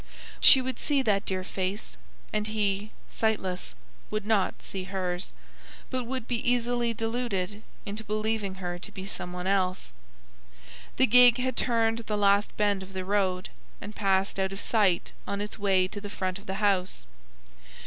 She would see that dear face, and he, sightless, would not see hers, but would be easily deluded into believing her to be some one else. The gig had turned the last bend of the road, and passed out of sight on its way to the front of the house.